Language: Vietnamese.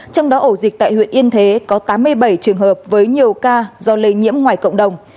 trong đó ổ dịch tại huyện yên thế có tám mươi bảy trường hợp với nhiều ca do lây nhiễm ngoài cộng đồng